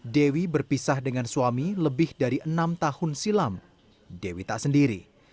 dewi berpisah dengan suami lebih dari enam tahun silam dewi tak sendiri